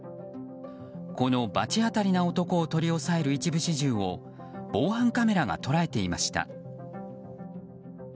この罰当たりな男を取り押さえる一部始終を防犯カメラが捉えていました。